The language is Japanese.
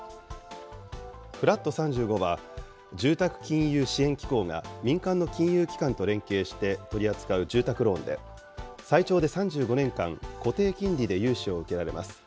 フラット３５は、住宅金融支援機構が民間の金融機関と連携して取り扱う住宅ローンで、最長で３５年間、固定金利で融資を受けられます。